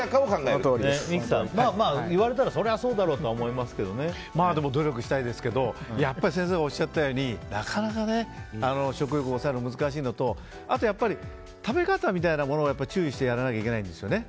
三木さん、言われたら努力したいですけどやっぱり先生がおっしゃったようになかなか食欲抑えるの難しいのとあと、食べ方みたいなものを注意してやらなきゃいけないんですよね